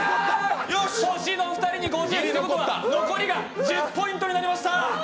★のお二人に５０ということで残りが１０ポイントになりました。